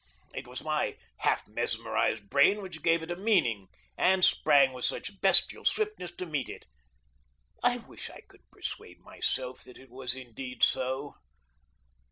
It was my half mesmerized brain which gave it a meaning, and sprang with such bestial swiftness to meet it. I wish I could persuade myself that it was indeed so.